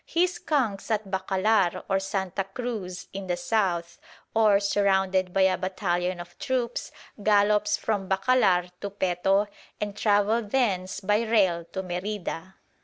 He skunks at Bacalar or Santa Cruz in the south, or, surrounded by a battalion of troops, gallops from Bacalar to Peto and travels thence by rail to Merida.